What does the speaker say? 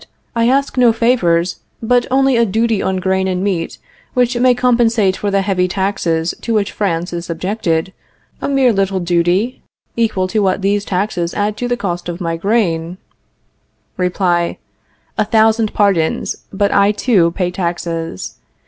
I ask no favors, but only a duty on grain and meat, which may compensate for the heavy taxes to which France is subjected; a mere little duty, equal to what these taxes add to the cost of my grain Reply: A thousand pardons, but I, too, pay taxes.